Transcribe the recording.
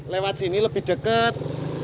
lewat sini lebih deket